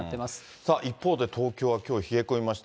さあ、一方で、東京はきょう、冷え込みました。